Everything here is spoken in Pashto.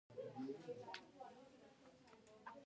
پښتون ژغورني غورځنګ پښتانه شعوري بيدار کړل.